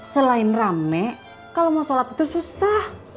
selain rame kalau mau sholat itu susah